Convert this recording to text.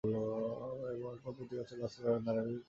এরপর প্রতিবছর বাস্তবায়নের হার ধারাবাহিকভাবে কমেছে।